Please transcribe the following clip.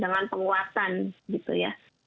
dengan penguatan gitu ya